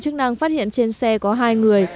chức năng phát hiện trên xe có hai người